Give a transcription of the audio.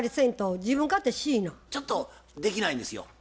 ちょっとできないんですよ。